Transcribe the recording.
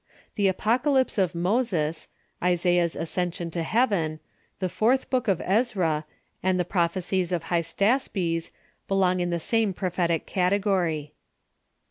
The Apocalvpse of Moses, Isaiah's Ascension to Heaven, the Fourth Book of Ezra, and the Prophecies of Hystaspes belong in the same prophetic category.